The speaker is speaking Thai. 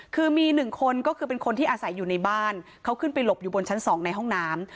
คือมีหนึ่งคนก็คือเป็นคนที่อาศัยอยู่ในบ้านเขาขึ้นไปหลบอยู่บนชั้น๒ในห้องน้ำ